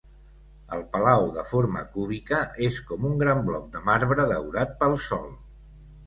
El palau, de forma cúbica, és com un gran bloc de marbre daurat pel sol.